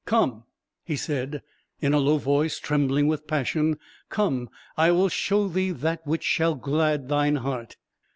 "Come," he said, in a low voice trembling with passion; "come, I will show thee that which shall glad thine heart.